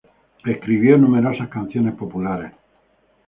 Escribió numerosas canciones populares.